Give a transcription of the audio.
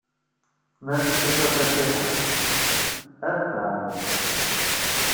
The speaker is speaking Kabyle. Ma testufa Fatiḥa, ad t-tɛawen.